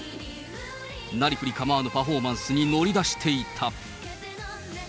なりふり構わぬパフォーマンスに乗り出していた。